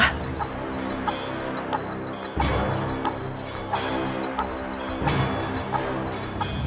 pix kau berdosa